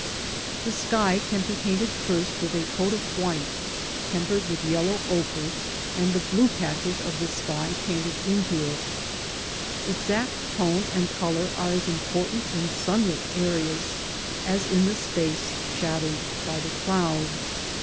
The sky can be painted first with a coat of white, tempered with yellow ochre, and the blue patches of the sky painted into it* Exact tone and colour are as important in sunlit areas as in the space shadowed by the cloud.